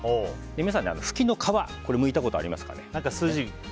皆さん、フキの皮むいたことありますかね。